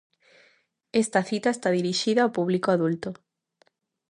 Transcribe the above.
Esta cita está dirixida ao público adulto.